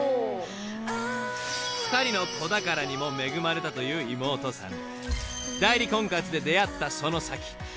［２人の子宝にも恵まれたという妹さん］